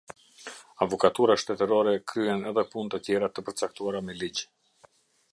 Avokatura Shtetërore kryen edhe punë të tjera të përcaktuara me ligj.